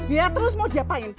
ya terus mau diapain